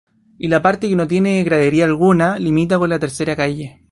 Y la parte que no tiene gradería alguna limita con la Tercera calle.